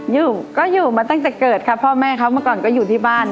อยู่ก็อยู่มาตั้งแต่เกิดค่ะพ่อแม่เขาเมื่อก่อนก็อยู่ที่บ้าน